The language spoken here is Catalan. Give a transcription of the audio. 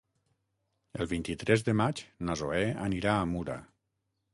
El vint-i-tres de maig na Zoè anirà a Mura.